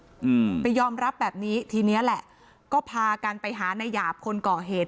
อืมไปยอมรับแบบนี้ทีเนี้ยแหละก็พากันไปหานายหยาบคนก่อเหตุ